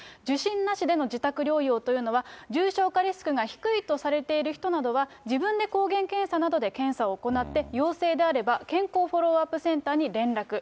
受診なしでの自宅療養というのは、重症化リスクが低いとされている人などは、自分で抗原検査などで検査を行って、陽性であれば、健康フォローアップセンターに連絡。